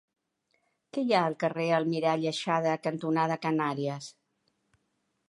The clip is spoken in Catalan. Què hi ha al carrer Almirall Aixada cantonada Canàries?